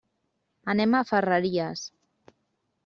Anem a Ferreries.